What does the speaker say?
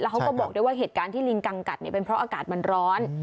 เขาก็บอกด้วยว่าเหตุการณ์ที่ลิงกังกัดเนี่ยเป็นเพราะอากาศมันร้อน